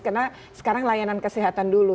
karena sekarang layanan kesehatan dulu